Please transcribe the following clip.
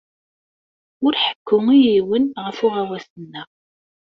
Ur ḥekku i yiwen ɣef uɣawas-nneɣ.